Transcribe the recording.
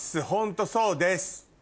ホントそうです。